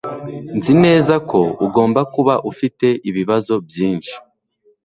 Nzi neza ko ugomba kuba ufite ibibazo byinshi.